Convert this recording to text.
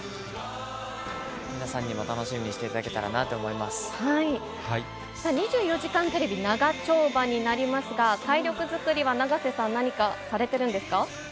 皆さんにも楽しみにしていた２４時間テレビ、長丁場になりますが、体力作りは永瀬さん、何かされてるんですか。